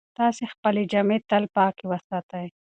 تاسې خپلې جامې تل پاکې وساتئ.